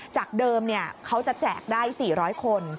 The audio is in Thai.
จากเดิมเขาจะแจกได้๔๐๐คน